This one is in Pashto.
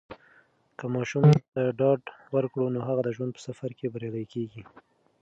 که ماشوم ته ډاډ ورکړو، نو هغه د ژوند په سفر کې بریالی کیږي.